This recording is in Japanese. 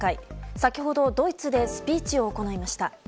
先ほどドイツでスピーチを行いました。